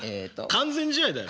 完全試合だよ。